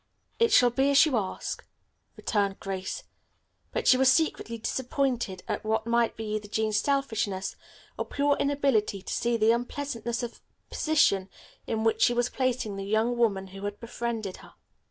"It shall be as you ask," returned Grace, but she was secretly disappointed at what might be either Jean's selfishness or her pure inability to see the unpleasantness of the position in which she was placing the young woman who had befriended her.